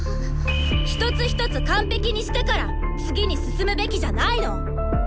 一つ一つ完璧にしてから次に進むべきじゃないの！？